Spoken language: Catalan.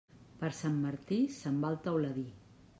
Per Sant Martí se'n va el teuladí.